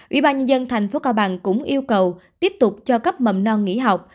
ủy ban nhân dân tp cb cũng yêu cầu tiếp tục cho cấp mầm non nghỉ học